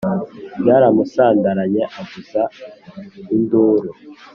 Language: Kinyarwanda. byaramusandaranye avuza induru